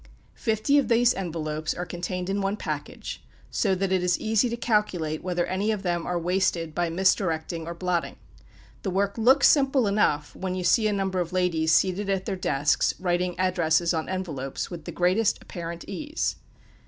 Fifty of these envelopes are contained in one package, so that it is easy to calculate whether any of them are wasted by misdirecting or blotting. The work looks simple enough, when you see a number of ladies seated at their desks, writing addresses on envelopes, with the greatest apparent ease.